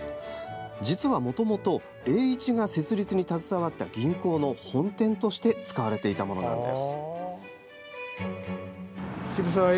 実はもともと栄一が設立に携わった銀行の本店として使われていたものです。